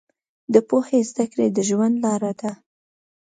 د پوهې زده کړه د ژوند لار ده.